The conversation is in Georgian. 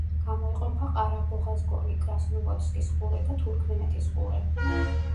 გამოიყოფა ყარა-ბოღაზ-გოლი, კრასნოვოდსკის ყურე და თურქმენეთის ყურე.